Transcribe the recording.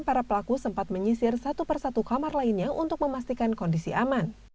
para pelaku sempat menyisir satu persatu kamar lainnya untuk memastikan kondisi aman